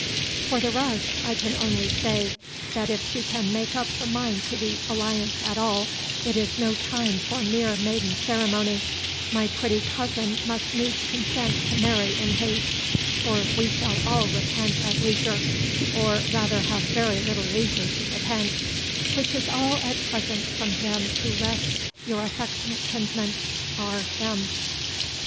For the rest, I can only say, that if she can make up her mind to the alliance at all it is no time for mere maiden ceremony my pretty cousin must needs consent to marry in haste, or we shall all repent at leisure, or rather have very little leisure to repent; which is all at present from him who rests your affectionate kinsman, R. M."